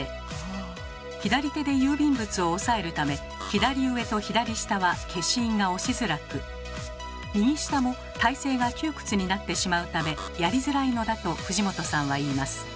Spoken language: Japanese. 左手で郵便物を押さえるため左上と左下は消印が押しづらく右下も体勢が窮屈になってしまうためやりづらいのだと藤本さんは言います。